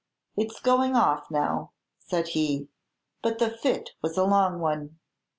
"It's going off now," said he, "but the fit was a long one.